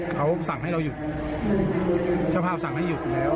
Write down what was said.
เขาสั่งให้เราหยุด